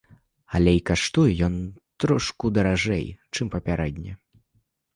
Але і каштуе ён трошку даражэй, чым папярэдні.